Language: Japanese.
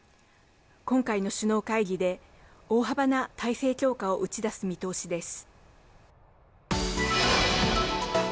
今回の首脳会議で大幅な態勢強化を打ち出す見通しです。